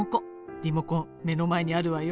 リモコン目の前にあるわよ。